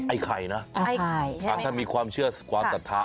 ไอ้ไข่นะถ้ามีความเชื่อความศรัทธา